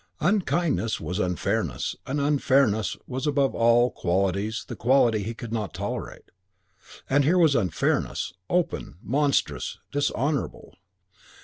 Unkindness was unfairness and unfairness was above all qualities the quality he could not tolerate. And here was unfairness, open, monstrous, dishonourable.